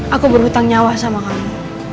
aku berhutang nyawa sama kamu